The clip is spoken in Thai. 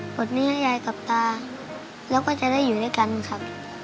ดหนี้ให้ยายกับตาแล้วก็จะได้อยู่ด้วยกันครับ